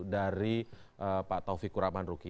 dari pak taufik kuraman ruki